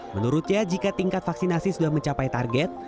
menurutnya jika tingkat vaksinasi sudah mencapai target